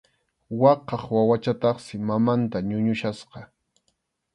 Waqaq wawachataqsi mamanta ñuñuchkasqa.